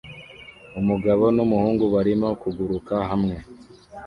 Umugabo n'umuhungu barimo kuguruka hamwe